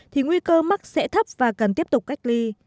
thì nguy cơ mắc sẽ thấp và cần tiếp tục cách ly